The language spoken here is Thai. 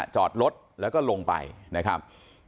จอดรถแล้วก็ลงไปนะครับ